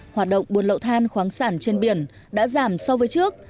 hoạt động buôn lậu than khoáng sản trên biển đã giảm so với trước